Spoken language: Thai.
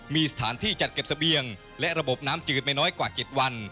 มีสถานที่จัดเก็บเสบียงและระบบน้ำจืดไม่น้อยกว่า๗วัน